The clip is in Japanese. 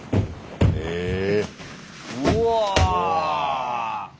うわ。